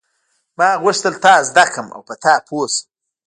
ما غوښتل تا زده کړم او په تا پوه شم.